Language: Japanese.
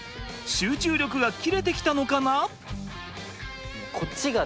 集中力が切れてきたのかな？